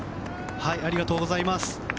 ありがとうございます。